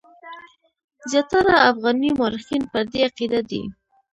زیاتره افغاني مورخین پر دې عقیده دي.